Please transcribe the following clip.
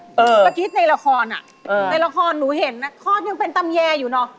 เมื่อกี๊ในละครนั้ะข้อดยังเป็นตำแยอยู่เนอะ